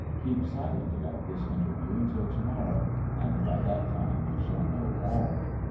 Keep silent about this interview till to morrow, and by that time you shall know all."